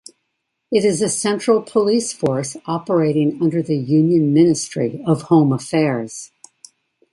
It is a central police force operating under the Union Ministry of Home Affairs.